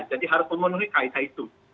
jadi harus memenuhi kaitan itu